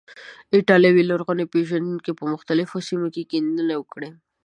ایټالوي لرغون پیژندونکو په مختلفو سیمو کې کیندنې وکړې.